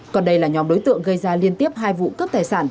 còn đây là nhóm đối tượng gây ra liên tiếp hai vụ cướp tài sản